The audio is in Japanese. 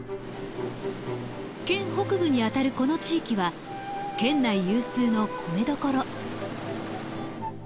県北部にあたるこの地域は県内有数の米どころ。